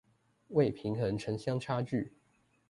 為平衡城鄉差距